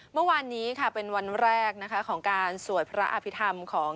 เมื่อวานนี้ค่ะเป็นวันแรกนะคะของการสวดพระอภิษฐรรมของ